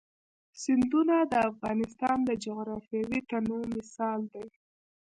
سیندونه د افغانستان د جغرافیوي تنوع مثال دی.